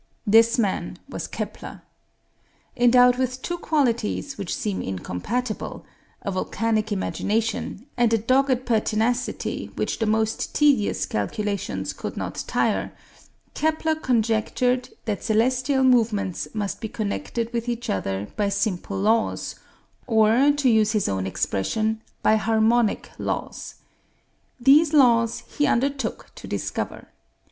This man was Kepler. Endowed with two qualities which seem incompatible, a volcanic imagination, and a dogged pertinacity which the most tedious calculations could not tire, Kepler conjectured that celestial movements must be connected with each other by simple laws; or, to use his own expression, by harmonic laws. These laws he undertook to discover.